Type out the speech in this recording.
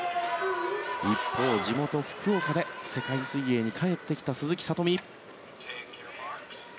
一方、地元・福岡で世界水泳に帰ってきた鈴木聡美。